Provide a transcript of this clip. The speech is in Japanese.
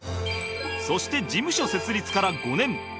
そして事務所設立から５年